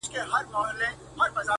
• علم وویل زما ډیر دي آدرسونه,